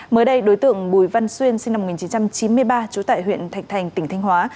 mới đây đối tượng bùi văn xuyên sinh năm một nghìn chín trăm chín mươi ba trú tại huyện thạch thành tỉnh thanh hóa